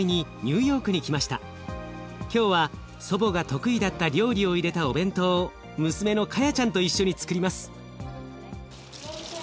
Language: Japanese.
今日は祖母が得意だった料理を入れたお弁当を娘のカヤちゃんと一緒につくります。